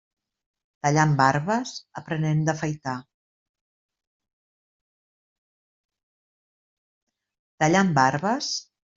Tallant barbes, aprenen d'afaitar.